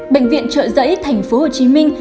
bệnh viện chợ giấy thành phố hồ chí minh